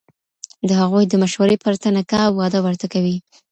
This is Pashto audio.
د هغوی د مشورې پرته نکاح او واده ورته کوي،